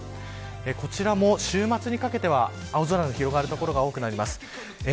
こちらも週末にかけては青空の広がる所が多くなります。